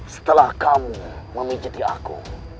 setelah kamu memijiti aku